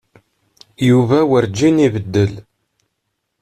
Yuba werǧin ibeddel.